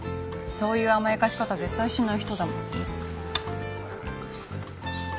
そういう甘やかし方絶対しない人だもん。